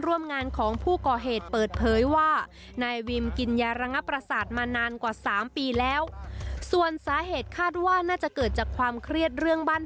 ส่วนนายสานิทผสวทกระโดดออกทางหน้าต่างไปด้านข้างสุดท้ายก็ถูกยิงเสียชีวิตเช่นกัน